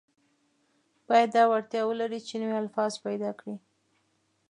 باید دا وړتیا ولري چې نوي الفاظ پیدا کړي.